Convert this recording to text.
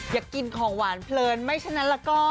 อยากกินของหวานเผลินไม่เฉพาะก็